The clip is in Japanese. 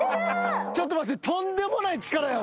ちょっと待って。